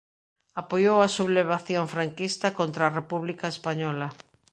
Apoiou a sublevación franquista contra a República Española.